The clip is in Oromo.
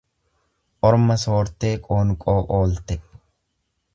Orma soortee qoonqoo oolte.